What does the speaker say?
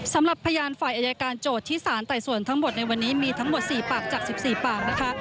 สำหรับพยานฝ่ายอายการโจทย์ที่สารไต่สวนทั้งหมดในวันนี้มีทั้งหมด๔ปากจาก๑๔ปากนะคะ